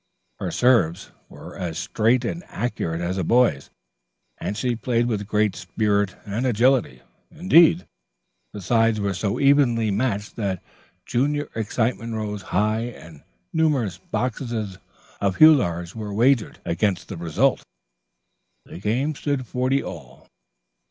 Her serves were as straight and accurate as a boy's, and she played with great spirit and agility. Indeed, the sides were so evenly matched that junior excitement rose high and numerous boxes of Huyler's were wagered against the result. The game stood forty all.